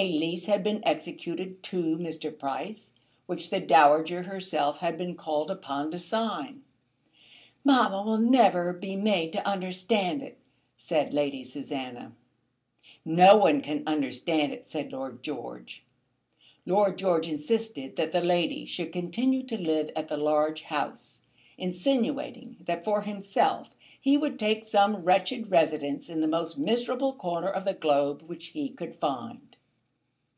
A lease had been executed to Mr. Price, which the Dowager herself had been called upon to sign. "Mamma will never be made to understand it," said Lady Susanna. "No one can understand it," said Lord George. Lord George insisted that the ladies should continue to live at the large house, insinuating that, for himself, he would take some wretched residence in the most miserable corner of the globe, which he could find.